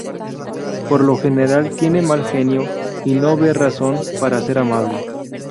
Por lo general tiene mal genio y no ve razón para ser amable.